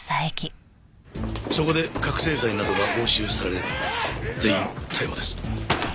そこで覚せい剤などが押収されれば全員逮捕です。